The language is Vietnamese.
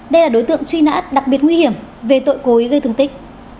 đây là đối tượng truy nã đặc biệt nguy hiểm về tội cố ý gây thương tích